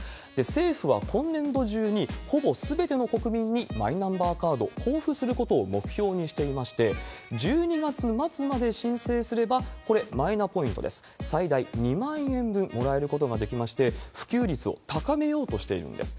政府は今年度中にほぼすべての国民にマイナンバーカードを交付することを目標にしていまして、１２月末まで申請すれば、これ、マイナポイントです、最大２万円分もらえることができまして、普及率を高めようとしているんです。